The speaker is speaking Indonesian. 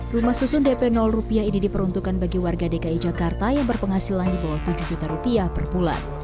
rumah susun dp rupiah ini diperuntukkan bagi warga dki jakarta yang berpenghasilan di bawah tujuh juta rupiah per bulan